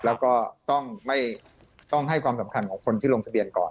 แล้วก็ต้องให้ความสำคัญของคนที่ลงทะเบียนก่อน